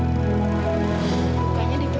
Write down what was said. bukanya dikutuk ya maka ada bu